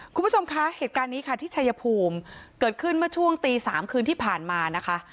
คุณผู้ชมคะเหตุการณ์นี้ค่ะที่ชายภูมิเกิดขึ้นเมื่อช่วงตีสามคืนที่ผ่านมานะคะ